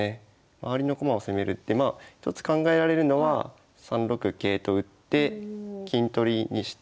周りの駒を攻めるって一つ考えられるのは３六桂と打って金取りにして。